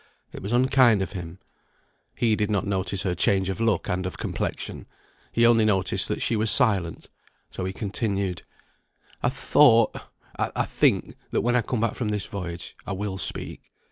It was unkind of him. He did not notice her change of look and of complexion. He only noticed that she was silent, so he continued: "I thought I think, that when I come back from this voyage, I will speak.